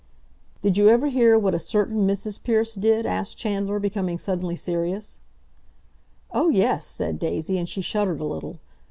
"Did you ever hear what a certain Mrs. Pearce did?" asked Chandler, becoming suddenly serious. "Oh, yes," said Daisy, and she shuddered a little.